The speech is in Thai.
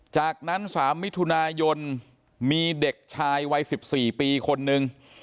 จากนั้น๓มิถุนายนมีเด็กชายวัย๑๔ปีคนนึง